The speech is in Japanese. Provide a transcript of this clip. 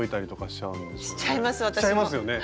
しちゃいますよね！